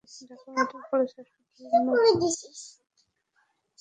Dhaka medical college হাসপাতালে মানসিক চিকিৎসার জন্য নিয়মিত থেরাপি দিতে যাচ্ছি।